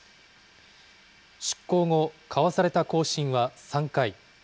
出港後、交わされた交信は３回。